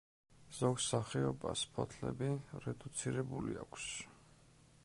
ზოგ სახეობას ფოთლები რედუცირებული აქვს.